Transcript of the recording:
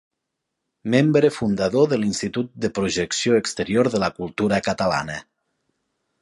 Membre fundador de l'Institut de Projecció Exterior de la Cultura Catalana.